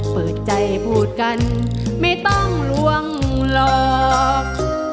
เปิดใจพูดกันไม่ต้องลวงหรอก